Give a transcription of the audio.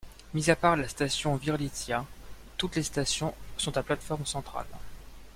Mis à part la station Virlitsya, toutes les stations sont à plate-forme centrale.